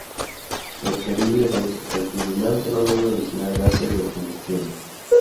Preferiblemente, el fulminante no debe originar gases de combustión.